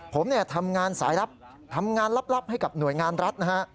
ผมเนี่ยทำงานสายลับทำงานลับให้กับหน่วยงานรัฐนะฮะ